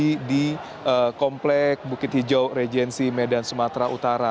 jadi di komplek bukit hijau regensi medan sumatera utara